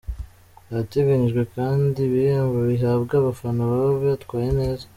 Hateganyijwe kandi ibihembo bihabwa abafana baba bitwaye neza.